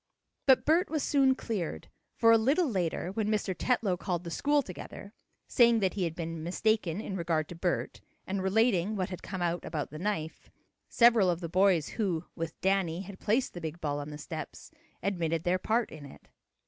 But Bert was soon cleared, for, a little later, when Mr. Tetlow called the school together, saying that he had been mistaken in regard to Bert, and relating what had come out about the knife, several of the boys who, with Danny had placed the big ball on the steps, admitted their part in it.